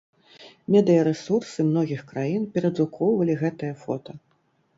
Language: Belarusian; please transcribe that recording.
Медыярэсурсы многіх краін перадрукоўвалі гэтае фота.